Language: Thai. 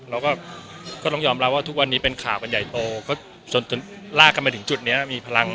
แล้วก็ต้องยอมรับว่าทุกวันนี้เป็นข่าวเป็นใหญ่โตก็ลากันไปถึงจุดนี้มีพลังมั้ยเอ่อครับ